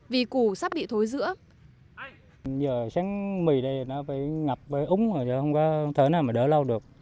vì củ sắp bị thối dữa